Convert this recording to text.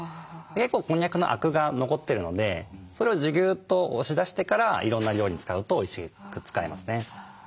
結構こんにゃくのアクが残ってるのでそれをギューッと押し出してからいろんな料理に使うとおいしく使えますね。